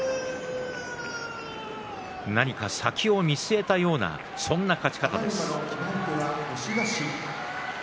何か、先を見据えたようなそんな勝ち方です。